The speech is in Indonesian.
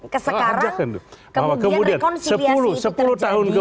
kesekarang kemudian rekonsiliasi itu terjadi